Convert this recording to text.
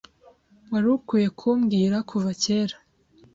Wari ukwiye kumbwira kuva kera .